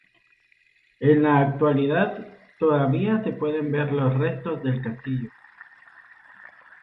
En la actualidad todavía se pueden ver los restos del castillo.